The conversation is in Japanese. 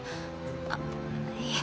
あっいえ